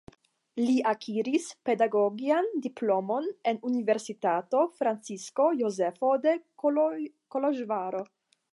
Li akiris pedagogian diplomon en Universitato Francisko Jozefo de Koloĵvaro.